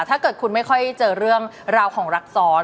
ถ้าเกิดคุณไม่ค่อยเจอเรื่องราวของรักซ้อน